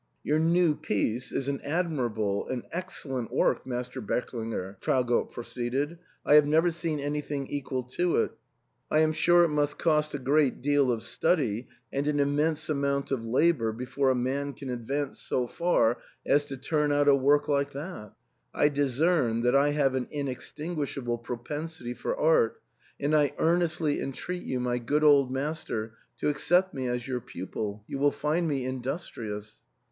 "Your new piece is an admirable — an excellent work, Master Berklinger," Traugott pro ceeded ;" I have never seen anything equal to it. I am sure it must cost a great deal of study and an im mense amount of labour before a man can advance so far as to turn out a work like that. I discern that I have an inextinguishable propensity for art, and I earnestly entreat you, my good old riiaster, to accept me as your pupil ; you will find me industrious."